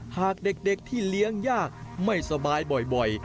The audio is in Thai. หากเด็กที่เลี้ยงยากไม่สบายบ่อย